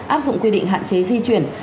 áp dụng quy định hạn chế di chuyển